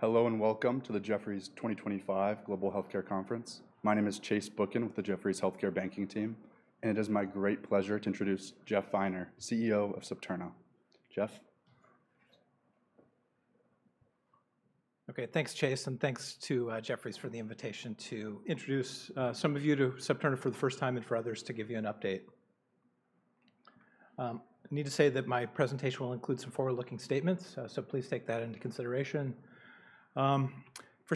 Hello and welcome to the Jefferies 2025 Global Healthcare Conference. My name is Chase Booken with the Jefferies Healthcare Banking Team, and it is my great pleasure to introduce Jeff Feiner, CEO of Septerna. Jeff? Okay, thanks, Chase, and thanks to Jefferies for the invitation to introduce some of you to Septerna for the first time and for others to give you an update. I need to say that my presentation will include some forward-looking statements, so please take that into consideration. For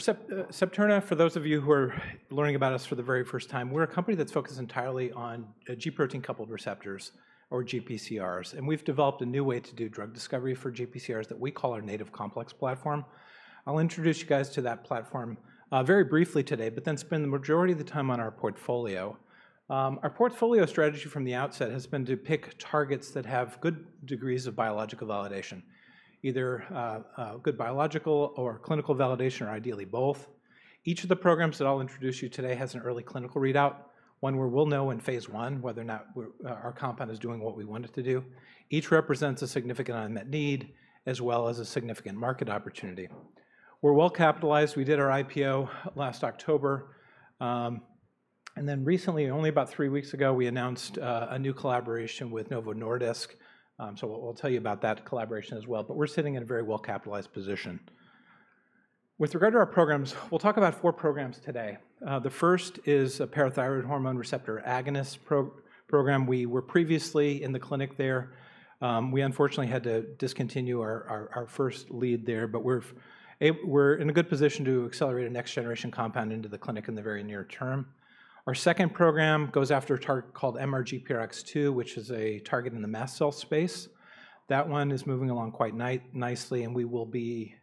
Septerna, for those of you who are learning about us for the very first time, we're a company that's focused entirely on G-protein coupled receptors, or GPCRs, and we've developed a new way to do drug discovery for GPCRs that we call our Native Complex Platform. I'll introduce you guys to that platform very briefly today, but then spend the majority of the time on our portfolio. Our portfolio strategy from the outset has been to pick targets that have good degrees of biological validation, either good biological or clinical validation, or ideally both. Each of the programs that I'll introduce you to today has an early clinical readout, one where we'll know in Phase one whether or not our compound is doing what we want it to do. Each represents a significant unmet need as well as a significant market opportunity. We're well capitalized. We did our IPO last October, and then recently, only about three weeks ago, we announced a new collaboration with Novo Nordisk, so we'll tell you about that collaboration as well, but we're sitting in a very well-capitalized position. With regard to our programs, we'll talk about four programs today. The first is a parathyroid hormone receptor agonist program. We were previously in the clinic there. We unfortunately had to discontinue our first lead there, but we're in a good position to accelerate a next-generation compound into the clinic in the very near term. Our second program goes after a target called MRGPRX2, which is a target in the mast cell space. That one is moving along quite nicely, and we will be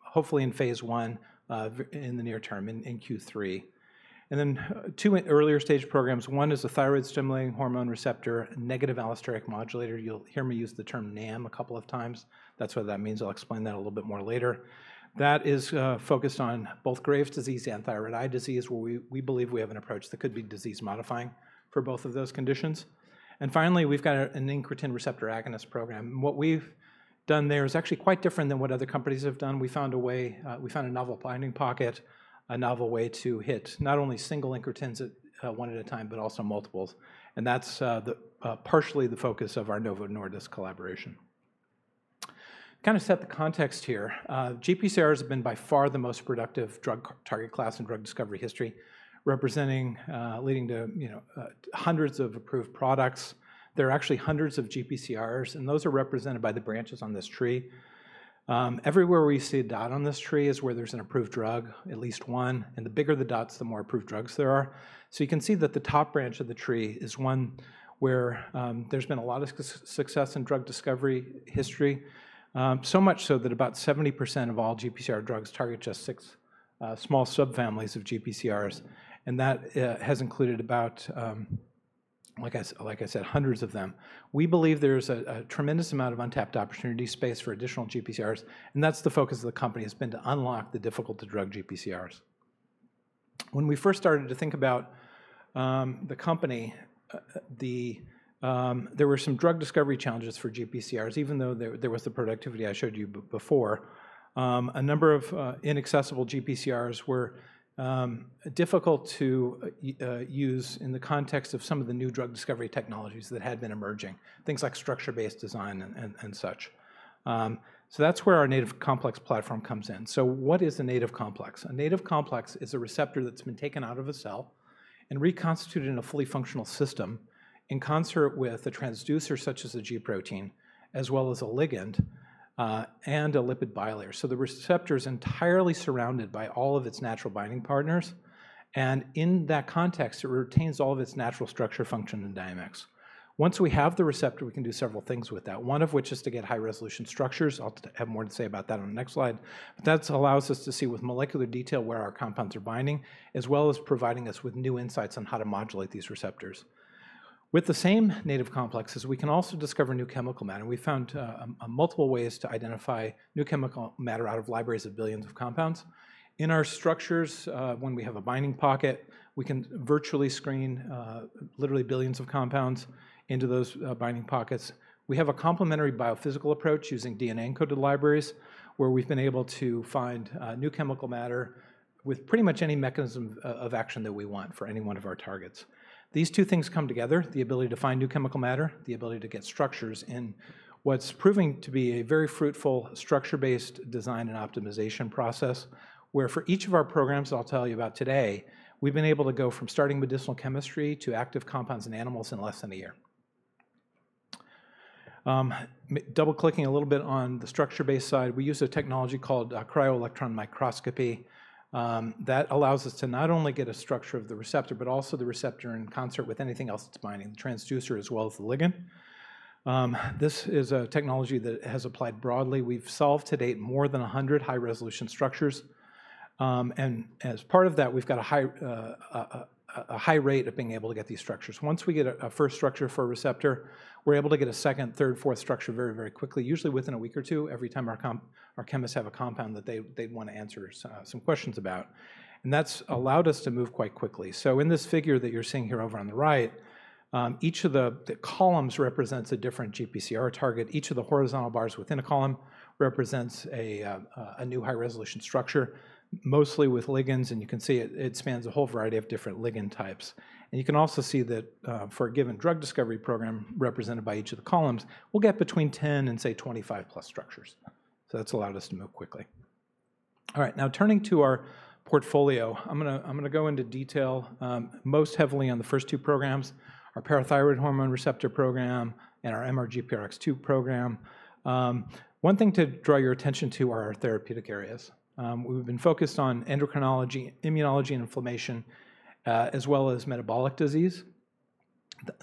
hopefully in phase I in the near term in Q3. Then two earlier stage programs. One is a thyroid-stimulating hormone receptor, negative allosteric modulator. You'll hear me use the term NAM a couple of times. That's what that means. I'll explain that a little bit more later. That is focused on both Graves' disease and thyroid eye disease, where we believe we have an approach that could be disease-modifying for both of those conditions. Finally, we've got an incretin receptor agonist program. What we've done there is actually quite different than what other companies have done. We found a way, we found a novel binding pocket, a novel way to hit not only single incretins one at a time, but also multiples, and that's partially the focus of our Novo Nordisk collaboration. Kind of set the context here. GPCRs have been by far the most productive drug target class in drug discovery history, leading to hundreds of approved products. There are actually hundreds of GPCRs, and those are represented by the branches on this tree. Everywhere we see a dot on this tree is where there's an approved drug, at least one, and the bigger the dots, the more approved drugs there are. You can see that the top branch of the tree is one where there's been a lot of success in drug discovery history, so much so that about 70% of all GPCR drugs target just six small subfamilies of GPCRs, and that has included about, like I said, hundreds of them. We believe there's a tremendous amount of untapped opportunity space for additional GPCRs, and that's the focus of the company has been to unlock the difficult-to-drug GPCRs. When we first started to think about the company, there were some drug discovery challenges for GPCRs. Even though there was the productivity I showed you before, a number of inaccessible GPCRs were difficult to use in the context of some of the new drug discovery technologies that had been emerging, things like structure-based design and such. That's where our Native Complex Platform comes in. What is a Native Complex? A Native Complex is a receptor that's been taken out of a cell and reconstituted in a fully functional system in concert with a transducer such as a G-protein, as well as a ligand and a lipid bilayer. The receptor is entirely surrounded by all of its natural binding partners, and in that context, it retains all of its natural structure, function, and dynamics. Once we have the receptor, we can do several things with that, one of which is to get high-resolution structures. I'll have more to say about that on the next slide. That allows us to see with molecular detail where our compounds are binding, as well as providing us with new insights on how to modulate these receptors. With the same Native Complexes, we can also discover new chemical matter. We found multiple ways to identify new chemical matter out of libraries of billions of compounds. In our structures, when we have a binding pocket, we can virtually screen literally billions of compounds into those binding pockets. We have a complementary biophysical approach using DNA-encoded libraries, where we've been able to find new chemical matter with pretty much any mechanism of action that we want for any one of our targets. These two things come together: the ability to find new chemical matter, the ability to get structures in what's proving to be a very fruitful structure-based design and optimization process, where for each of our programs I'll tell you about today, we've been able to go from starting medicinal chemistry to active compounds in animals in less than a year. Double-clicking a little bit on the structure-based side, we use a technology called cryo-electron microscopy that allows us to not only get a structure of the receptor, but also the receptor in concert with anything else it's binding, the transducer as well as the ligand. This is a technology that has applied broadly. We've solved to date more than 100 high-resolution structures, and as part of that, we've got a high rate of being able to get these structures. Once we get a first structure for a receptor, we're able to get a second, third, fourth structure very, very quickly, usually within a week or two, every time our chemists have a compound that they'd want to answer some questions about, and that's allowed us to move quite quickly. In this figure that you're seeing here over on the right, each of the columns represents a different GPCR target. Each of the horizontal bars within a column represents a new high-resolution structure, mostly with ligands, and you can see it spans a whole variety of different ligand types. You can also see that for a given drug discovery program represented by each of the columns, we'll get between 10 and say 25-plus structures. That's allowed us to move quickly. All right, now turning to our portfolio, I'm going to go into detail most heavily on the first two programs, our parathyroid hormone receptor program and our MRGPRX2 program. One thing to draw your attention to are our therapeutic areas. We've been focused on endocrinology, immunology, and inflammation, as well as metabolic disease.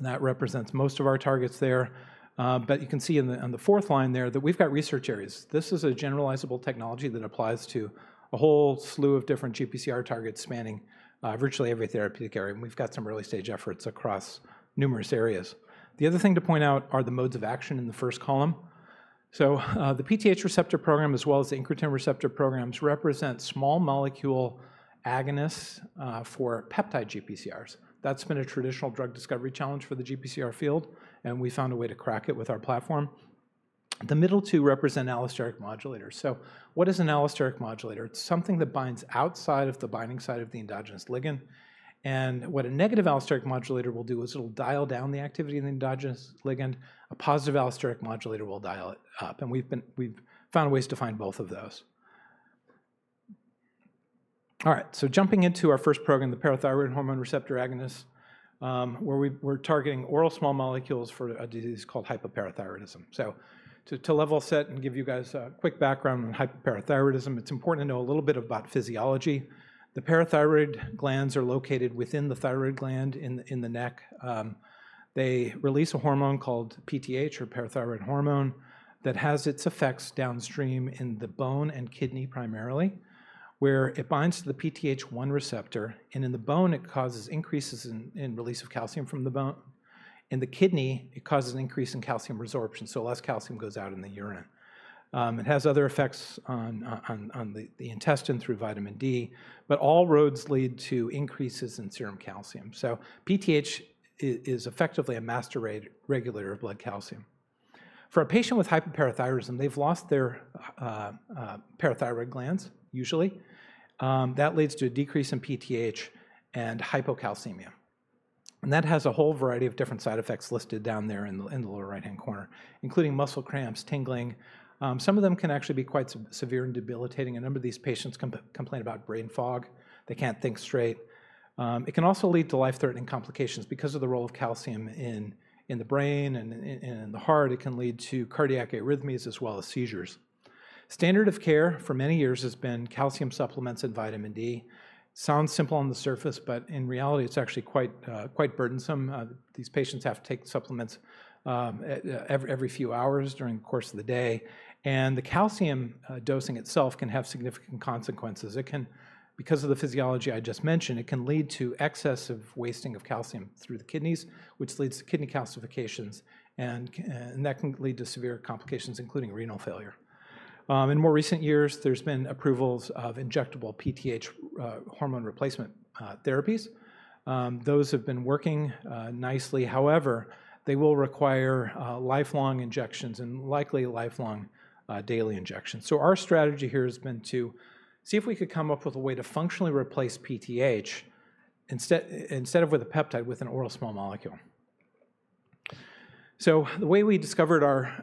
That represents most of our targets there, but you can see on the fourth line there that we've got research areas. This is a generalizable technology that applies to a whole slew of different GPCR targets spanning virtually every therapeutic area, and we've got some early stage efforts across numerous areas. The other thing to point out are the modes of action in the first column. The PTH receptor program, as well as the incretin receptor programs, represent small molecule agonists for peptide GPCRs. That's been a traditional drug discovery challenge for the GPCR field, and we found a way to crack it with our platform. The middle two represent allosteric modulators. What is an allosteric modulator? It's something that binds outside of the binding site of the endogenous ligand, and what a negative allosteric modulator will do is it'll dial down the activity of the endogenous ligand. A positive allosteric modulator will dial it up, and we've found ways to find both of those. All right, so jumping into our first program, the parathyroid hormone receptor agonists, where we're targeting oral small molecules for a disease called hypoparathyroidism. To level set and give you guys a quick background on hypoparathyroidism, it's important to know a little bit about physiology. The parathyroid glands are located within the thyroid gland in the neck. They release a hormone called PTH, or parathyroid hormone, that has its effects downstream in the bone and kidney primarily, where it binds to the PTH1 receptor, and in the bone, it causes increases in release of calcium from the bone. In the kidney, it causes an increase in calcium resorption, so less calcium goes out in the urine. It has other effects on the intestine through vitamin D, but all roads lead to increases in serum calcium. PTH is effectively a master regulator of blood calcium. For a patient with hypoparathyroidism, they've lost their parathyroid glands, usually. That leads to a decrease in PTH and hypocalcemia, and that has a whole variety of different side effects listed down there in the lower right-hand corner, including muscle cramps, tingling. Some of them can actually be quite severe and debilitating. A number of these patients complain about brain fog. They can't think straight. It can also lead to life-threatening complications because of the role of calcium in the brain and in the heart. It can lead to cardiac arrhythmias as well as seizures. Standard of care for many years has been calcium supplements and vitamin D. Sounds simple on the surface, but in reality, it's actually quite burdensome. These patients have to take supplements every few hours during the course of the day, and the calcium dosing itself can have significant consequences. Because of the physiology I just mentioned, it can lead to excessive wasting of calcium through the kidneys, which leads to kidney calcifications, and that can lead to severe complications, including renal failure. In more recent years, there's been approvals of injectable PTH hormone replacement therapies. Those have been working nicely. However, they will require lifelong injections and likely lifelong daily injections. Our strategy here has been to see if we could come up with a way to functionally replace PTH instead of with a peptide, with an oral small molecule. The way we discovered our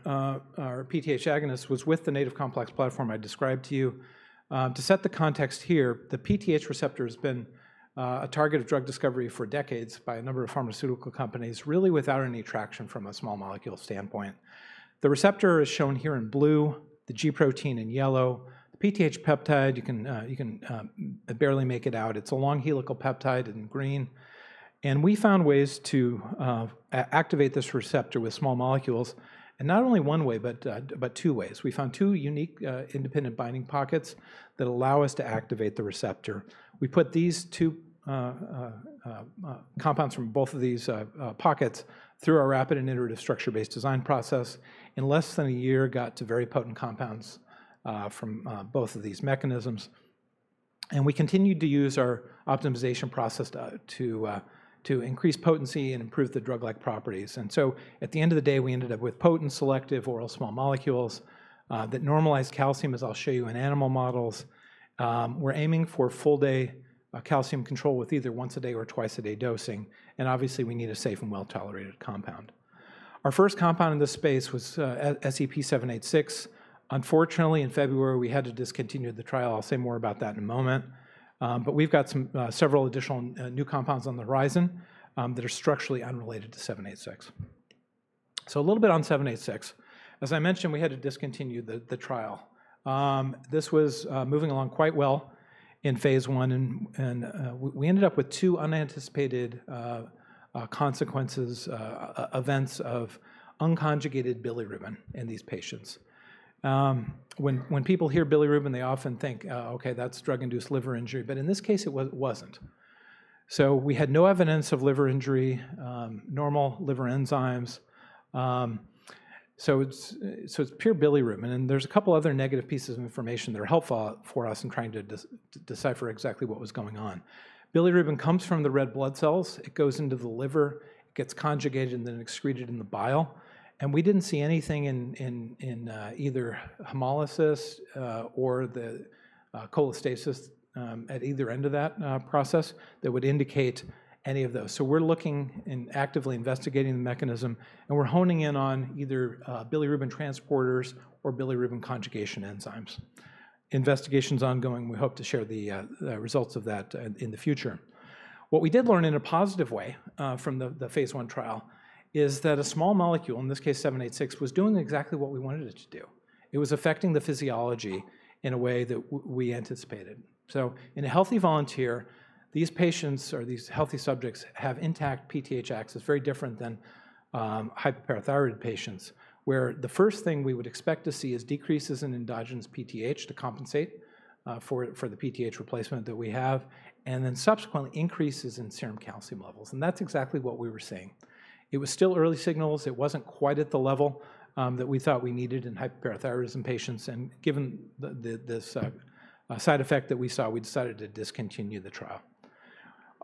PTH agonist was with the Native Complex Platform I described to you. To set the context here, the PTH receptor has been a target of drug discovery for decades by a number of pharmaceutical companies, really without any traction from a small molecule standpoint. The receptor is shown here in blue, the G-protein in yellow. The PTH peptide, you can barely make it out. It's a long helical peptide in green, and we found ways to activate this receptor with small molecules, and not only one way, but two ways. We found two unique independent binding pockets that allow us to activate the receptor. We put these two compounds from both of these pockets through our rapid and iterative structure-based design process. In less than a year, we got to very potent compounds from both of these mechanisms, and we continued to use our optimization process to increase potency and improve the drug-like properties. At the end of the day, we ended up with potent selective oral small molecules that normalize calcium, as I'll show you in animal models. We're aiming for full-day calcium control with either once a day or twice a day dosing, and obviously, we need a safe and well-tolerated compound. Our first compound in this space was SEP-786. Unfortunately, in February, we had to discontinue the trial. I'll say more about that in a moment, but we've got several additional new compounds on the horizon that are structurally unrelated to 786. A little bit on 786. As I mentioned, we had to discontinue the trial. This was moving along quite well in phase one, and we ended up with two unanticipated consequences, events of unconjugated bilirubin in these patients. When people hear bilirubin, they often think, "Okay, that's drug-induced liver injury," but in this case, it wasn't. We had no evidence of liver injury, normal liver enzymes. It is pure bilirubin, and there are a couple other negative pieces of information that are helpful for us in trying to decipher exactly what was going on. Bilirubin comes from the red blood cells. It goes into the liver, gets conjugated, and then excreted in the bile, and we did not see anything in either hemolysis or the cholestasis at either end of that process that would indicate any of those. We are looking and actively investigating the mechanism, and we are honing in on either bilirubin transporters or bilirubin conjugation enzymes. Investigations ongoing. We hope to share the results of that in the future. What we did learn in a positive way from the phase I trial is that a small molecule, in this case 786, was doing exactly what we wanted it to do. It was affecting the physiology in a way that we anticipated. In a healthy volunteer, these patients or these healthy subjects have intact PTH axis, very different than hypoparathyroid patients, where the first thing we would expect to see is decreases in endogenous PTH to compensate for the PTH replacement that we have, and then subsequently increases in serum calcium levels, and that's exactly what we were seeing. It was still early signals. It wasn't quite at the level that we thought we needed in hypoparathyroidism patients, and given this side effect that we saw, we decided to discontinue the trial.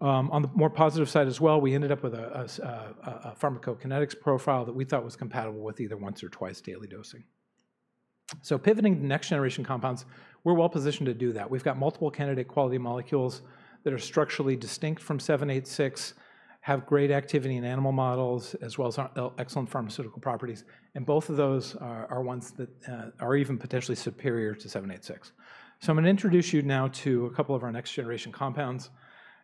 On the more positive side as well, we ended up with a pharmacokinetics profile that we thought was compatible with either once or twice daily dosing. Pivoting to next-generation compounds, we're well-positioned to do that. We've got multiple candidate quality molecules that are structurally distinct from 786, have great activity in animal models, as well as excellent pharmaceutical properties, and both of those are ones that are even potentially superior to 786. I'm going to introduce you now to a couple of our next-generation compounds,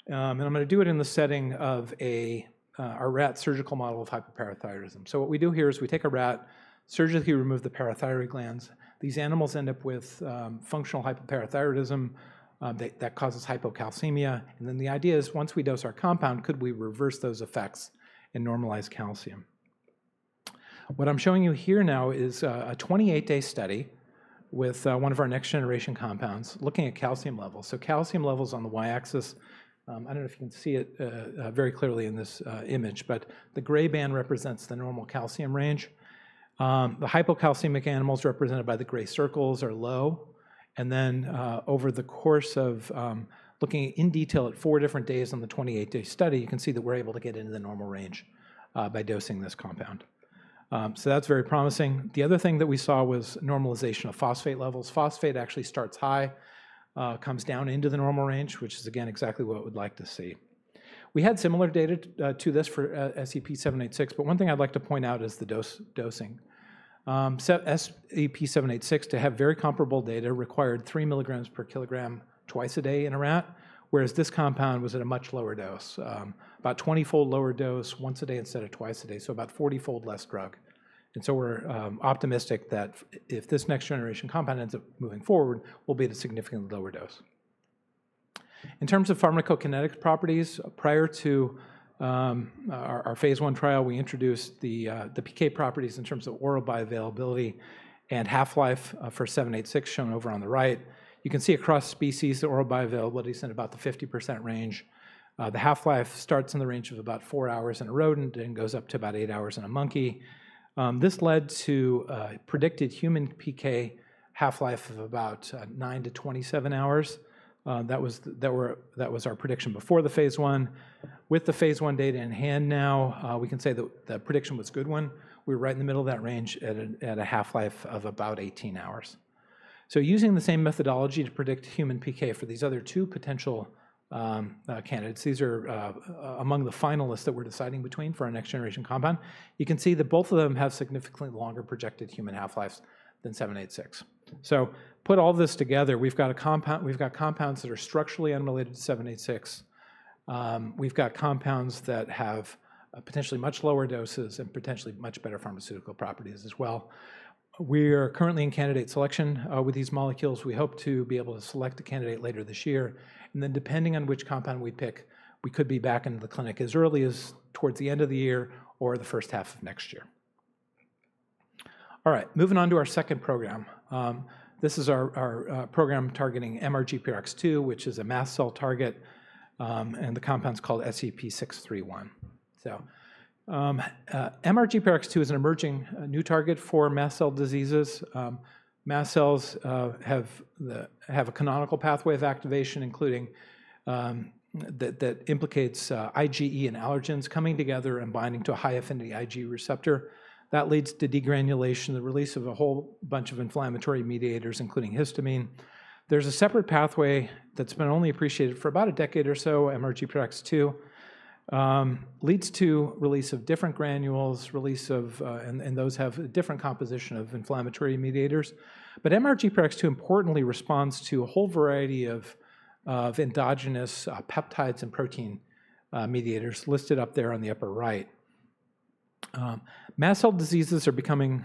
and I'm going to do it in the setting of our rat surgical model of hypoparathyroidism. What we do here is we take a rat, surgically remove the parathyroid glands. These animals end up with functional hypoparathyroidism that causes hypocalcemia, and then the idea is once we dose our compound, could we reverse those effects and normalize calcium? What I'm showing you here now is a 28-day study with one of our next-generation compounds looking at calcium levels. Calcium levels on the y-axis, I do not know if you can see it very clearly in this image, but the gray band represents the normal calcium range. The hypocalcemic animals represented by the gray circles are low, and then over the course of looking in detail at four different days on the 28-day study, you can see that we are able to get into the normal range by dosing this compound. That is very promising. The other thing that we saw was normalization of phosphate levels. Phosphate actually starts high, comes down into the normal range, which is again exactly what we would like to see. We had similar data to this for SEP-786, but one thing I would like to point out is the dosing. SEP-786, to have very comparable data, required 3 mg per kg twice a day in a rat, whereas this compound was at a much lower dose, about 20-fold lower dose once a day instead of twice a day, so about 40-fold less drug. We are optimistic that if this next-generation compound ends up moving forward, we will be at a significantly lower dose. In terms of pharmacokinetic properties, prior to our phase one trial, we introduced the PK properties in terms of oral bioavailability and half-life for 786 shown over on the right. You can see across species, the oral bioavailability is in about the 50% range. The half-life starts in the range of about four hours in a rodent and goes up to about eight hours in a monkey. This led to predicted human PK half-life of about 9-27 hours. That was our prediction before the phase one. With the phase one data in hand now, we can say that the prediction was a good one. We were right in the middle of that range at a half-life of about 18 hours. Using the same methodology to predict human PK for these other two potential candidates, these are among the finalists that we're deciding between for our next-generation compound, you can see that both of them have significantly longer projected human half-lives than 786. Put all this together, we've got compounds that are structurally unrelated to 786. We've got compounds that have potentially much lower doses and potentially much better pharmaceutical properties as well. We are currently in candidate selection with these molecules. We hope to be able to select a candidate later this year, and then depending on which compound we pick, we could be back in the clinic as early as towards the end of the year or the first half of next year. All right, moving on to our second program. This is our program targeting MRGPRX2, which is a mast cell target, and the compound's called SEP-631. MRGPRX2 is an emerging new target for mast cell diseases. Mast cells have a canonical pathway of activation, including that implicates IgE and allergens coming together and binding to a high-affinity IgE receptor. That leads to degranulation, the release of a whole bunch of inflammatory mediators, including histamine. There is a separate pathway that has been only appreciated for about a decade or so, MRGPRX2, leads to release of different granules, and those have a different composition of inflammatory mediators. MRGPRX2 importantly responds to a whole variety of endogenous peptides and protein mediators listed up there on the upper right. Mast cell diseases are becoming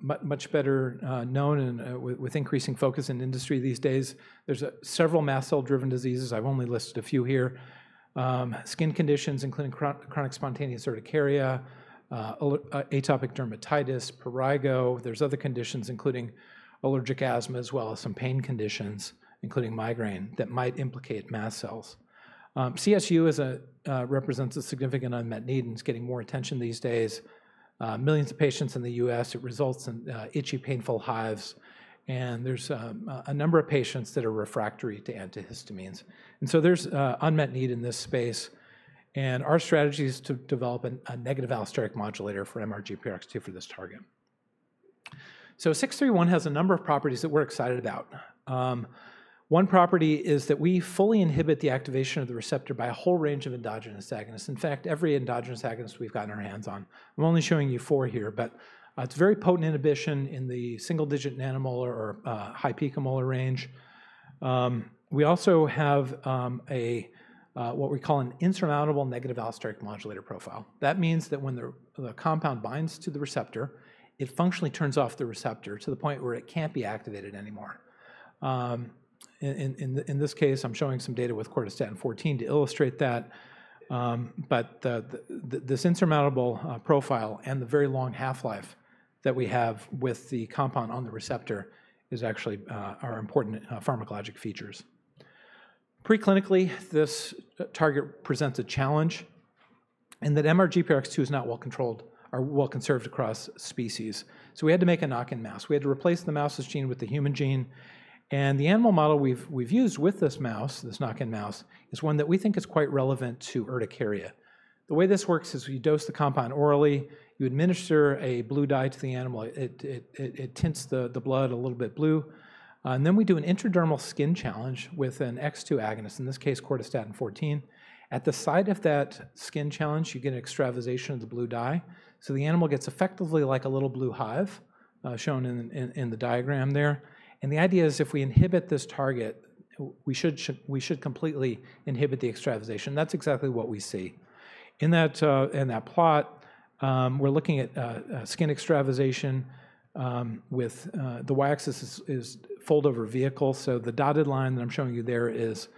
much better known and with increasing focus in industry these days. There are several mast cell-driven diseases. I've only listed a few here. Skin conditions, including chronic spontaneous urticaria, atopic dermatitis, prurigo. There are other conditions, including allergic asthma, as well as some pain conditions, including migraine, that might implicate mast cells. CSU represents a significant unmet need and is getting more attention these days. Millions of patients in the US, it results in itchy, painful hives, and there are a number of patients that are refractory to antihistamines. There is unmet need in this space, and our strategy is to develop a negative allosteric modulator for MRGPRX2 for this target. SEP-631 has a number of properties that we're excited about. One property is that we fully inhibit the activation of the receptor by a whole range of endogenous agonists. In fact, every endogenous agonist we've gotten our hands on. I'm only showing you four here, but it's very potent inhibition in the single-digit nanomolar or high-picomolar range. We also have what we call an insurmountable negative allosteric modulator profile. That means that when the compound binds to the receptor, it functionally turns off the receptor to the point where it can't be activated anymore. In this case, I'm showing some data with Cortistatin 14 to illustrate that, but this insurmountable profile and the very long half-life that we have with the compound on the receptor are important pharmacologic features. Pre-clinically, this target presents a challenge in that MRGPRX2 is not well-controlled or well-conserved across species. We had to make a knock-in mouse. We had to replace the mouse's gene with the human gene, and the animal model we've used with this mouse, this knock-in mouse, is one that we think is quite relevant to urticaria. The way this works is we dose the compound orally. You administer a blue dye to the animal. It tints the blood a little bit blue, and then we do an intradermal skin challenge with an X2 agonist, in this case, Cortistatin 14. At the site of that skin challenge, you get extravasation of the blue dye, so the animal gets effectively like a little blue hive, shown in the diagram there. The idea is if we inhibit this target, we should completely inhibit the extravasation. That's exactly what we see. In that plot, we're looking at skin extravasation with the y-axis is fold-over vehicle, so the dotted line that I'm showing you there is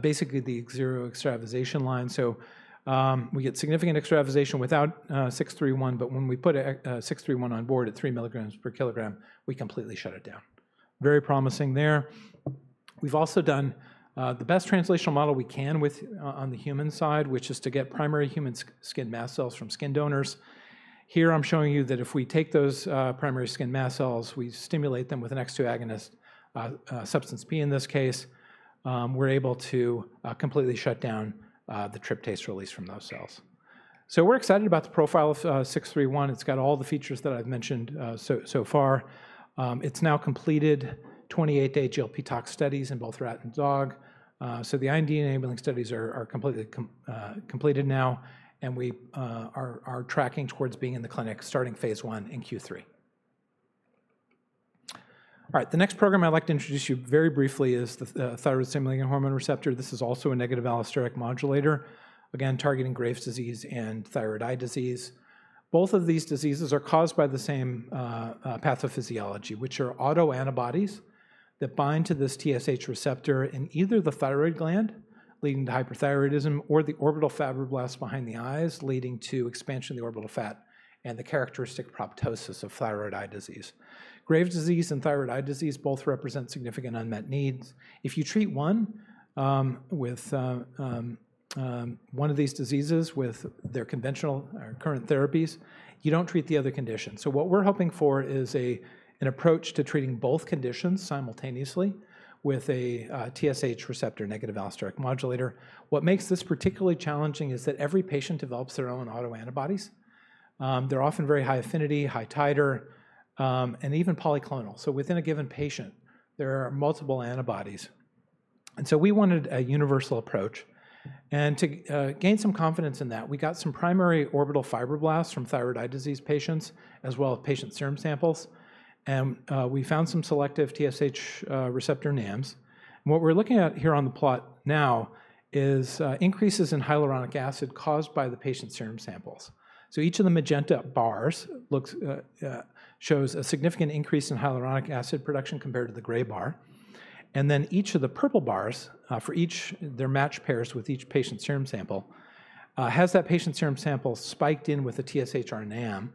basically the zero extravasation line. We get significant extravasation without 631, but when we put 631 on board at 3 milligrams per kilogram, we completely shut it down. Very promising there. We've also done the best translational model we can on the human side, which is to get primary human skin mast cells from skin donors. Here, I'm showing you that if we take those primary skin mast cells, we stimulate them with an X2 agonist, substance P in this case, we're able to completely shut down the tryptase release from those cells. We're excited about the profile of 631. It's got all the features that I've mentioned so far. It's now completed 28-day GLP-tox studies in both rat and dog. The IND-enabling studies are completely completed now, and we are tracking towards being in the clinic starting phase I in Q3. All right, the next program I'd like to introduce to you very briefly is the thyroid-stimulating hormone receptor. This is also a negative allosteric modulator, again, targeting Graves' disease and thyroid eye disease. Both of these diseases are caused by the same pathophysiology, which are autoantibodies that bind to this TSH receptor in either the thyroid gland, leading to hyperthyroidism, or the orbital fibroblasts behind the eyes, leading to expansion of the orbital fat and the characteristic proptosis of thyroid eye disease. Graves' disease and thyroid eye disease both represent significant unmet needs. If you treat one with one of these diseases with their conventional or current therapies, you do not treat the other condition. What we're hoping for is an approach to treating both conditions simultaneously with a TSH receptor negative allosteric modulator. What makes this particularly challenging is that every patient develops their own autoantibodies. They're often very high affinity, high titer, and even polyclonal. Within a given patient, there are multiple antibodies. We wanted a universal approach. To gain some confidence in that, we got some primary orbital fibroblasts from thyroid eye disease patients as well as patient serum samples, and we found some selective TSH receptor NAMs. What we're looking at here on the plot now is increases in hyaluronic acid caused by the patient serum samples. Each of the magenta bars shows a significant increase in hyaluronic acid production compared to the gray bar. Each of the purple bars for each, they're matched pairs with each patient serum sample, has that patient serum sample spiked in with a TSH or a NAM,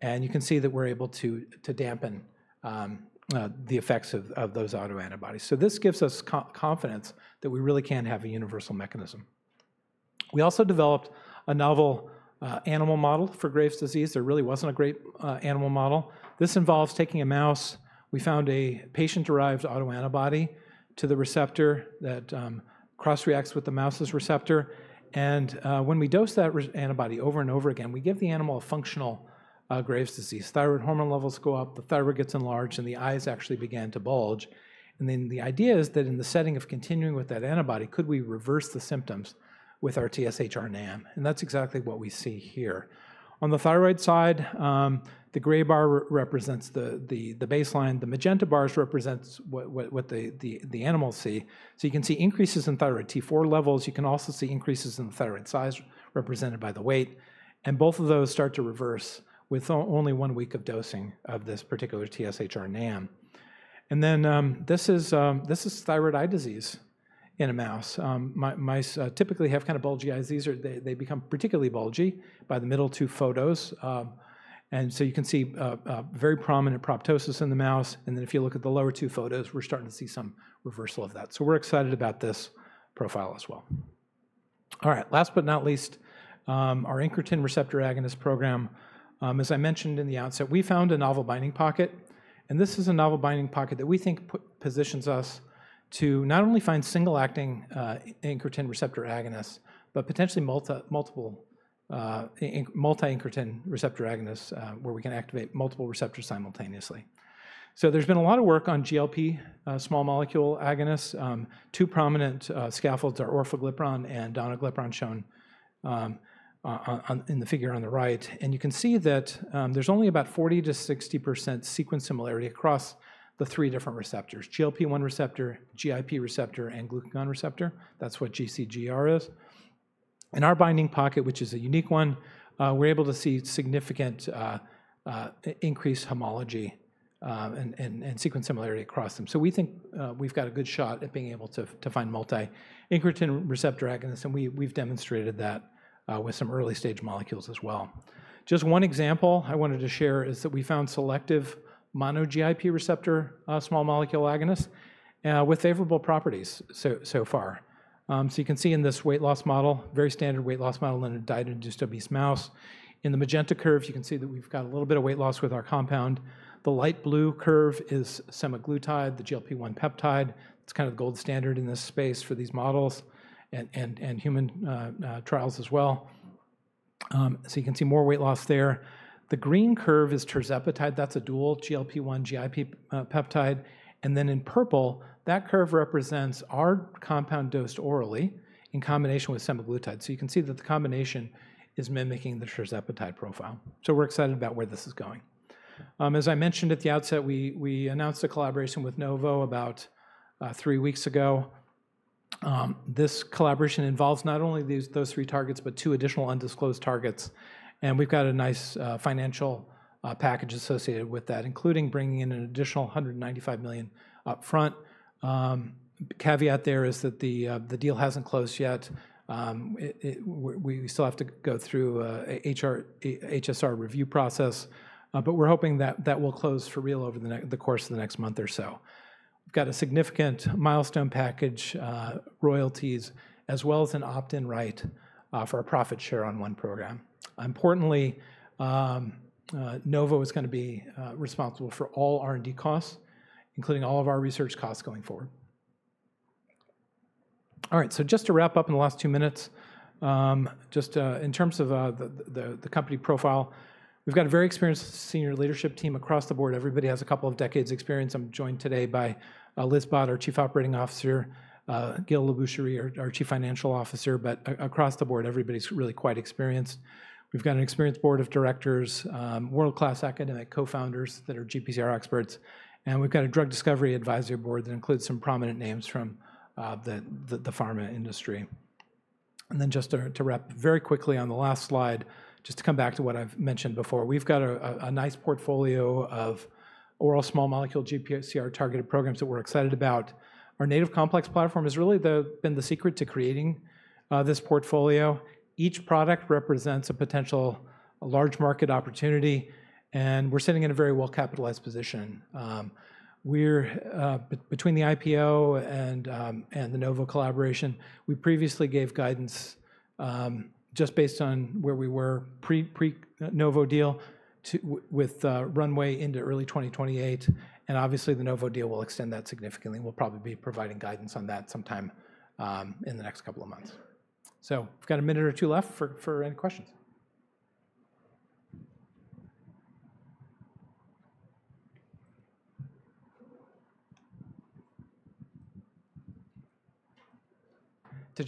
and you can see that we're able to dampen the effects of those autoantibodies. This gives us confidence that we really can have a universal mechanism. We also developed a novel animal model for Graves' disease. There really wasn't a great animal model. This involves taking a mouse. We found a patient-derived autoantibody to the receptor that cross-reacts with the mouse's receptor, and when we dose that antibody over and over again, we give the animal a functional Graves' disease. Thyroid hormone levels go up, the thyroid gets enlarged, and the eyes actually begin to bulge. The idea is that in the setting of continuing with that antibody, could we reverse the symptoms with our TSHR NAM? That is exactly what we see here. On the thyroid side, the gray bar represents the baseline. The magenta bars represent what the animals see. You can see increases in thyroid T4 levels. You can also see increases in thyroid size represented by the weight, and both of those start to reverse with only one week of dosing of this particular TSHR NAM. This is thyroid eye disease in a mouse. Mice typically have kind of bulgy eyes. They become particularly bulgy by the middle two photos. You can see very prominent proptosis in the mouse. If you look at the lower two photos, we are starting to see some reversal of that. We're excited about this profile as well. All right, last but not least, our incretin receptor agonist program. As I mentioned in the outset, we found a novel binding pocket, and this is a novel binding pocket that we think positions us to not only find single-acting incretin receptor agonists, but potentially multiple multi-incretin receptor agonists where we can activate multiple receptors simultaneously. There's been a lot of work on GLP, small molecule agonists. Two prominent scaffolds are orforglipron and danuglipron shown in the figure on the right. You can see that there's only about 40-60% sequence similarity across the three different receptors: GLP-1 receptor, GIP receptor, and glucagon receptor. That's what GCGR is. In our binding pocket, which is a unique one, we're able to see significant increased homology and sequence similarity across them. We think we've got a good shot at being able to find multi-incretin receptor agonists, and we've demonstrated that with some early-stage molecules as well. Just one example I wanted to share is that we found selective mono GIP receptor small molecule agonists with favorable properties so far. You can see in this weight loss model, very standard weight loss model in a diet-induced obese mouse. In the magenta curve, you can see that we've got a little bit of weight loss with our compound. The light blue curve is semaglutide, the GLP-1 peptide. It's kind of the gold standard in this space for these models and human trials as well. You can see more weight loss there. The green curve is tirzepatide. That's a dual GLP-1 GIP peptide. In purple, that curve represents our compound dosed orally in combination with semaglutide. You can see that the combination is mimicking the tirzepatide profile. We're excited about where this is going. As I mentioned at the outset, we announced a collaboration with Novo about three weeks ago. This collaboration involves not only those three targets, but two additional undisclosed targets, and we've got a nice financial package associated with that, including bringing in an additional $195 million upfront. Caveat there is that the deal hasn't closed yet. We still have to go through an HSR review process, but we're hoping that that will close for real over the course of the next month or so. We've got a significant milestone package, royalties, as well as an opt-in right for a profit share on one program. Importantly, Novo is going to be responsible for all R&D costs, including all of our research costs going forward. All right, so just to wrap up in the last two minutes, just in terms of the company profile, we've got a very experienced senior leadership team across the board. Everybody has a couple of decades' experience. I'm joined today by Liz Bhatt, our Chief Operating Officer, Gail Labrucherie is our Chief Financial Officer, but across the board, everybody's really quite experienced. We've got an experienced board of directors, world-class academic co-founders that are GPCR experts, and we've got a drug discovery advisory board that includes some prominent names from the pharma industry. Just to wrap very quickly on the last slide, just to come back to what I've mentioned before, we've got a nice portfolio of oral small molecule GPCR targeted programs that we're excited about. Our Native Complex Platform has really been the secret to creating this portfolio. Each product represents a potential large market opportunity, and we're sitting in a very well-capitalized position. We're between the IPO and the Novo collaboration. We previously gave guidance just based on where we were pre-Novo deal with runway into early 2028, and obviously the Novo deal will extend that significantly. We'll probably be providing guidance on that sometime in the next couple of months. We have a minute or two left for any questions. Thank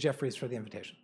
you to Jefferies for the invitation.